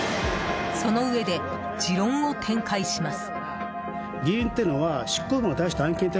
そのうえで持論を展開します。